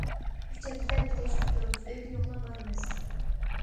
ئۈچ ھەپتىدە بىر تەكشۈرۈپ تۇرىمىز، ئۆيىگە يوقلاپ بارىمىز.